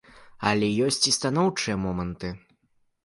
Але ёсць і станоўчыя моманты.